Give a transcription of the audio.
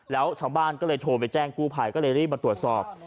แล้วชาวบ้านก็เลยโทรไปแจ้งกู้ภัยก็เลยรีบมาตรวจสอบ